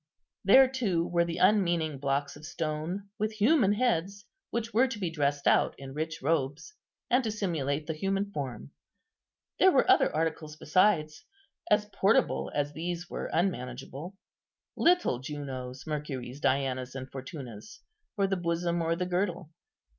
There, too, were the unmeaning blocks of stone with human heads, which were to be dressed out in rich robes, and to simulate the human form. There were other articles besides, as portable as these were unmanageable: little Junos, Mercuries, Dianas, and Fortunas, for the bosom or the girdle.